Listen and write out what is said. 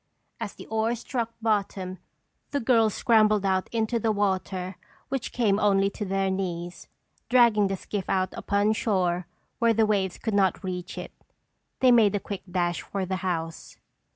As the oars struck bottom, the girls scrambled out into the water which came only to their knees, dragging the skiff out upon shore where the waves could not reach it. They made a quick dash for the house.